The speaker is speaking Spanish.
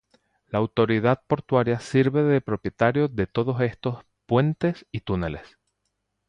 La Autoridad Portuaria sirve de propietario de todos estos puentes y túneles.